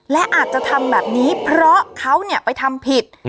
และอาจจะทำแบบนี้เพราะเขาไปทำผิด